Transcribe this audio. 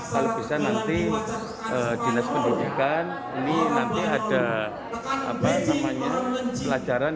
kalau bisa nanti dinas pendidikan ini nanti ada pelajaran